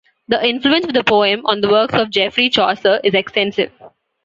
The influence of the poem on the works of Geoffrey Chaucer is extensive.